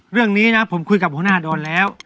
เรื่องนี้นะผมคุยกับหัวหน้าดอนแล้ว